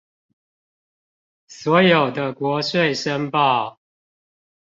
所有的國稅申報